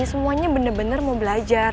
semuanya bener bener mau belajar